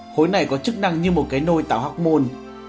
khối này có chức năng như một cái nôi tạo hóc môn